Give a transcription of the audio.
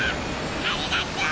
ありがとう！